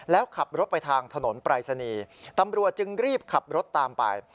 แล้วขับรถไปทางถนนปรายศนีย์ตำรวจจึงรีบขับรถตามไป